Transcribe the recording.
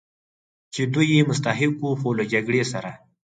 چې دوی یې مستحق و، خو له جګړې سره.